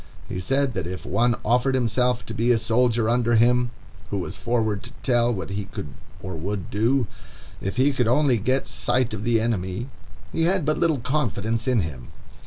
'" He said that if one offered himself to be a soldier under him, who was forward to tell what he could or would do, if he could only get sight of the enemy, he had but little confidence in him.